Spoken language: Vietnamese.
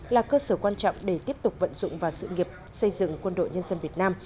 là cơ sở quan trọng để tiếp tục vận dụng vào sự nghiệp xây dựng quân đội nhân dân việt nam